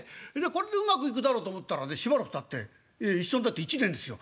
これでうまくいくだろうと思ったらねしばらくたって一緒になって１年ですよ。